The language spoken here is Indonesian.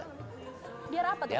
biar apa tuh pak